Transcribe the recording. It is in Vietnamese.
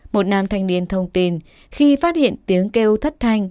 một nam thanh niên thông tin khi phát hiện tiếng kêu thất thanh